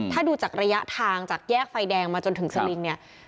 ถ้าดูจากระยะทางจากแยกไฟแดงมาจนถึงสลิงเนี่ย